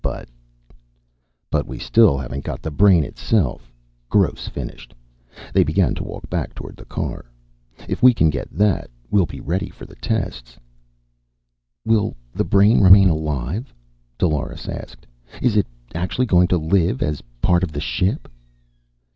But " "But we still haven't got the brain itself," Gross finished. They began to walk back toward the car. "If we can get that we'll be ready for the tests." "Will the brain remain alive?" Dolores asked. "Is it actually going to live as part of the ship?"